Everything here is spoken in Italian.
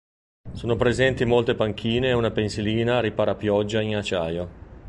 Sono presenti molte panchine e una pensilina ripara-pioggia in acciaio.